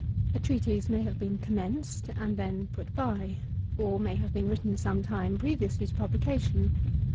A treatise may have been commenced, and then put by, or may have been written some time previously to publication.